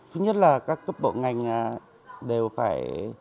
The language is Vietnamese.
thứ nhất là các cấp bộ ngành đều phải